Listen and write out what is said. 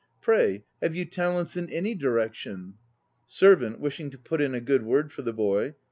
Pray, have you talents in any direction? SERVANT (wishing to put in a good word for the boy).